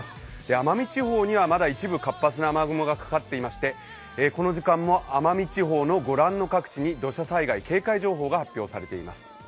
奄美地方にはまだ一部、活発な雨雲がかかっていましてこの時間も奄美地方のご覧の各地に土砂災害警戒情報が発表されています。